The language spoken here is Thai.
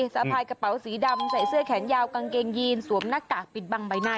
สะพายกระเป๋าสีดำใส่เสื้อแขนยาวกางเกงยีนสวมหน้ากากปิดบังใบหน้า